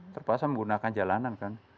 terpaksa menggunakan jalanan kan